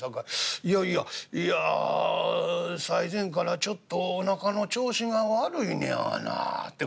『いやいやいや最前からちょっとおなかの調子が悪いねやがな』ってこない